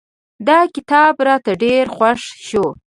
دا کتاب راته ډېر خوښ شو.